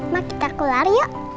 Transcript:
ma kita keluar yuk